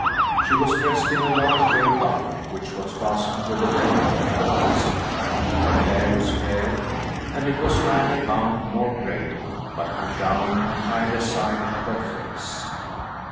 She was dressed in a long gray garment which was fastened with a belt at the waist. Her hair was fair, and it was neither bound nor braided, but hung down on either side of her face.